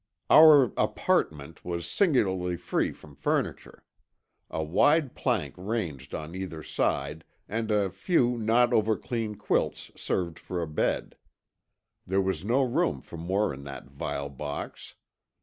Our "apartment" was singularly free from furniture. A wide plank ranged on either side, and a few not overclean quilts served for a bed. There was no room for more in that vile box.